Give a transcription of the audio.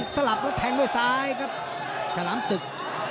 สลับแล้วแทงด้วยซ้ายครับฉลามศึก